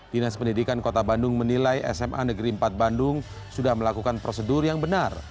dinas pendidikan kota bandung menilai sma negeri empat bandung sudah melakukan prosedur yang benar